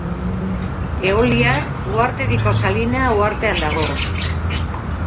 Eoliar uhartediko Salina uhartean dago.